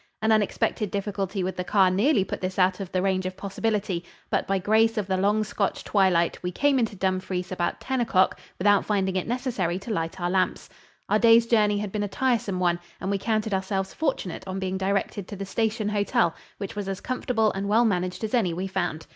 An unexpected difficulty with the car nearly put this out of the range of possibility, but by grace of the long Scotch twilight, we came into Dumfries about ten o'clock without finding it necessary to light our lamps. Our day's journey had been a tiresome one, and we counted ourselves fortunate on being directed to the Station Hotel, which was as comfortable and well managed as any we found.